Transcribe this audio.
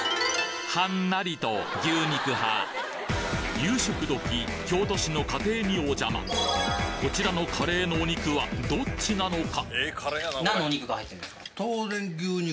夕食時京都市の家庭にお邪魔こちらのカレーのお肉はどっちなのか！？